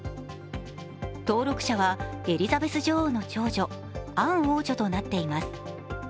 登録者は、エリザベス女王の長女、アン王女となっています。